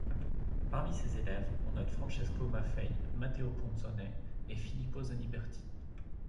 Parmi ses élèves on note Francesco Maffei, Matteo Ponzone, et Filippo Zaniberti.